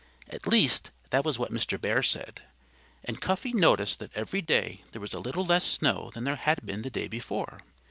At least, that was what Mr. Bear said. And Cuffy noticed that every day there was a little less snow than there had been the day before.